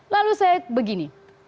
lalu saya begini